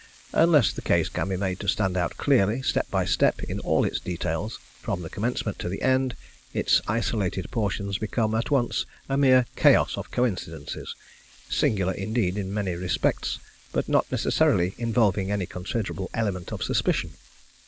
Unless the case can be made to stand out clearly, step by step, in all its details, from the commencement to the end, its isolated portions become at once a mere chaos of coincidences, singular indeed in many respects, but not necessarily involving any considerable element of suspicion.